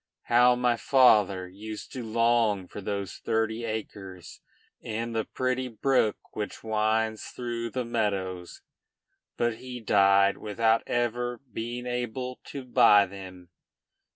How my father used to long for those thirty acres and the pretty brook which winds through the meadows! But he died without ever being able to buy them.